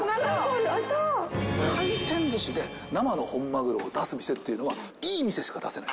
回転寿司で生の本マグロを出す店っていうのはいい店しか出せない。